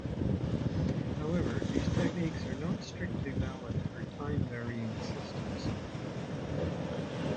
However, these techniques are not strictly valid for time-varying systems.